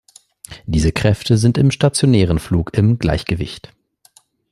Diese Kräfte sind im stationären Flug im Gleichgewicht.